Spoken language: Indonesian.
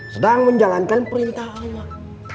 sedang menjalankan perintah allah